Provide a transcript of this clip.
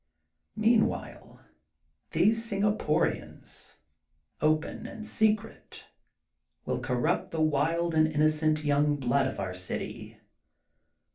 Meanwhile these Singaporians, open and secret, will corrupt the wild and innocent young blood of our city.